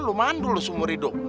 lu mandul sumur hidup